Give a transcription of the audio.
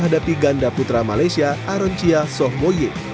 di gandaputra malaysia aron chia sohboye